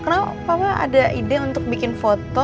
karena papa ada ide untuk bikin foto